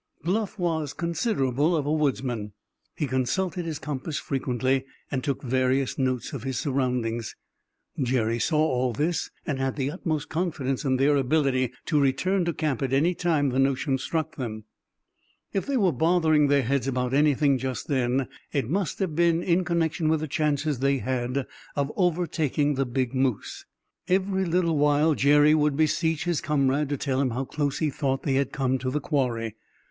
Bluff was considerable of a woodsman. He consulted his compass frequently, and took various notes of his surroundings. Jerry saw all this, and had the utmost confidence in their ability to return to camp at any time the notion struck them. If they were bothering their heads about anything just then, it must have been in connection with the chances they had of overtaking the big moose. Every little while Jerry would beseech his comrade to tell him how close he thought they had come to the quarry.